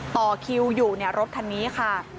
ต่อคิวอยู่ในรถคันนี้ค่ะ